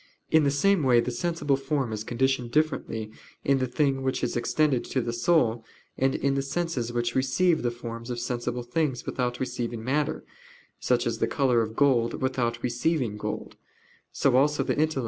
In the same way the sensible form is conditioned differently in the thing which is external to the soul, and in the senses which receive the forms of sensible things without receiving matter, such as the color of gold without receiving gold.